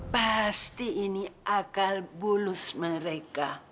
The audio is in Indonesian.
pasti ini akal bulus mereka